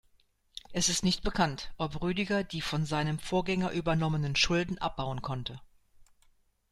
Es ist nicht bekannt, ob Rüdiger die von seinem Vorgänger übernommenen Schulden abbauen konnte.